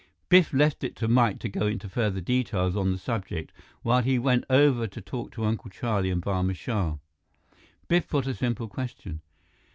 Biff left it to Mike to go into further details on the subject while he went over to talk to Uncle Charlie and Barma Shah. Biff put a simple question.